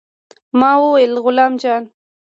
ما وويل غلام جان.